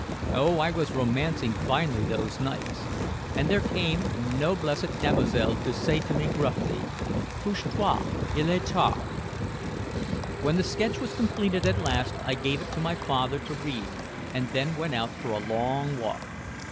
Oh, I was romancing finely those nights! And there came no Blessed Damozel to say to me gruffly, "Couches toi. Il est tard." When the sketch was completed at last I gave it to my father to read and then went out for a long walk.